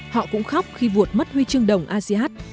họ cũng khóc khi vụt mất huy chương đồng asean